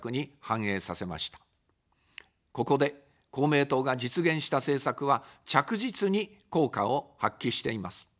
ここで公明党が実現した政策は、着実に効果を発揮しています。